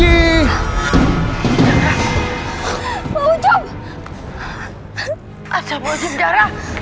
iya itu dia